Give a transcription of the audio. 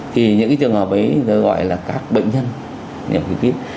thì những cái trường hợp ấy gọi là các bệnh nhân